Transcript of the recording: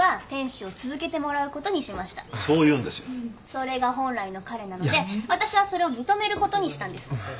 それが本来の彼なので私はそれを認めることにしたんです。